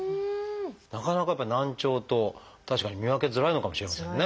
なかなかやっぱ難聴と確かに見分けづらいのかもしれませんね。